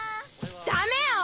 ダメよ！